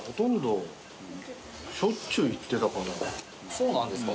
そうなんですか？